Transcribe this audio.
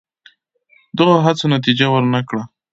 دغو هڅو نتیجه ور نه کړه.